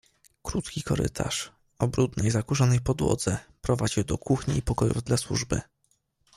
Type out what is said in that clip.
"Krótki korytarz, o brudnej, zakurzonej podłodze, prowadził do kuchni i pokojów dla służby."